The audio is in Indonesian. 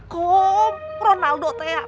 kom ronaldo teh ya